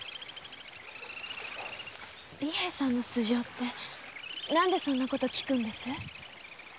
利平さんの素性って何でそんなこと訊くんです？